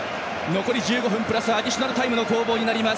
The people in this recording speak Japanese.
残り１５分プラスアディショナルタイムの攻防。